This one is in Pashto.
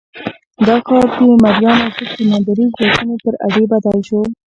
دا ښار د مریانو ضد سمندري ځواکونو پر اډې بدل شو.